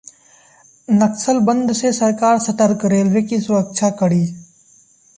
नक्सल बंद से सरकार सतर्क, रेलवे की सुरक्षा कड़ी